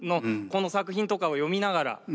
この作品とかを読みながら。